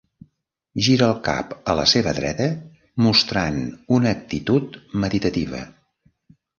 Gira el cap a la seva dreta, mostrant una actitud meditativa.